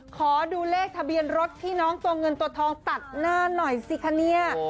ขอดูเลขทะเบียนรถที่น้องตัวเงินตัวทองตัดหน้าหน่อยสิคะเนี่ย